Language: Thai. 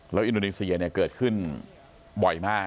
แล้วอินโดนีเซียเนี่ยเกิดขึ้นบ่อยมาก